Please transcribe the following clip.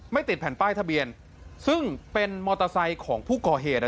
ติดแผ่นป้ายทะเบียนซึ่งเป็นมอเตอร์ไซค์ของผู้ก่อเหตุ